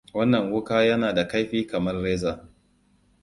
Wannan wuka yana da kaifi kamar reza.